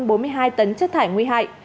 hơn bốn mươi hai tấn chất thải nguy hại